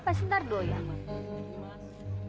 pasti ntar doyan